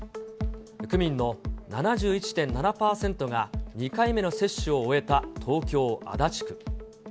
区民の７１．７％が２回目の接種を終えた東京・足立区。